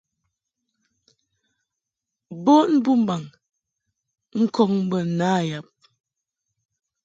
Bon bɨmbaŋ ŋkɔŋ bə na yab.